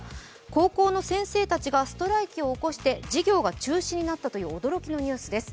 高校の先生たちがストライキを起こして授業が中止になったという驚きのニュースです。